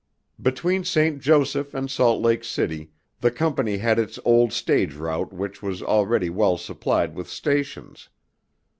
Between St. Joseph and Salt Lake City, the company had its old stage route which was already well supplied with stations.